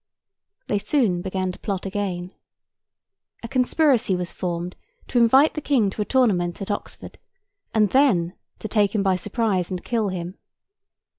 They soon began to plot again. A conspiracy was formed to invite the King to a tournament at Oxford, and then to take him by surprise and kill him.